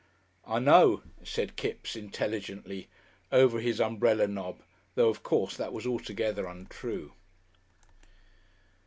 "I know," said Kipps, intelligently, over his umbrella knob, though of course that was altogether untrue.